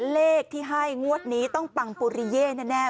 เลขที่ให้มันต้องตั้งนวดปุริเยะแน่